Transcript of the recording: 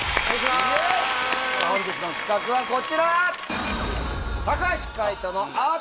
本日の企画はこちら！